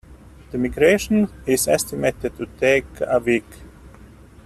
The migration is estimated to take a week.